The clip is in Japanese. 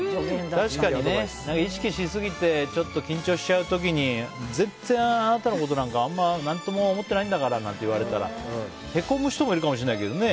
確かに、意識しすぎてちょっと緊張しちゃう時に全然あなたのことなんか何とも思っていないからと言われたら、へこむ人もいるかもしれないけどね。